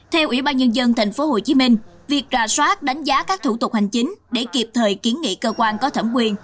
theo ủy ban nhân dân tp hcm việc ra soát đánh giá các thủ tục hành chính để kịp thời kiến nghị cơ quan có thẩm quyền